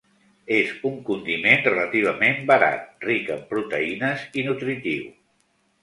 És un condiment relativament barat, ric en proteïnes i nutritiu.